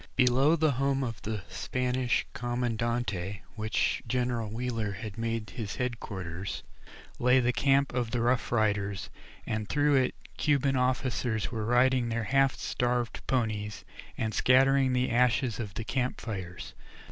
Below the former home of the Spanish comandante, which General Wheeler had made his head quarters, lay the camp of the Rough Riders, and through it Cuban officers were riding their half starved ponies, and scattering the ashes of the camp fires.